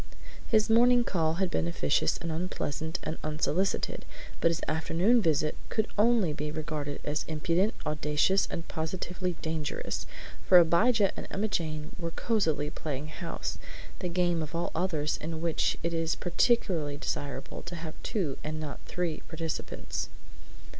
His morning call had been officious and unpleasant and unsolicited, but his afternoon visit could only be regarded as impudent, audacious, and positively dangerous; for Abijah and Emma Jane were cosily playing house, the game of all others in which it is particularly desirable to have two and not three participants.